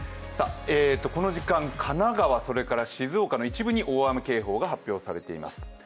この時間、神奈川、静岡の一部に大雨警報が発表されています。